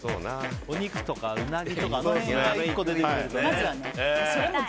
お肉とか、うなぎとかあの辺が１個出てくるとね。